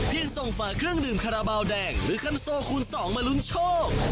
ส่งฝาเครื่องดื่มคาราบาลแดงหรือคันโซคูณ๒มาลุ้นโชค